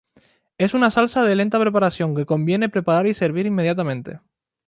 Es una salsa de lenta preparación que conviene preparar y servir inmediatamente.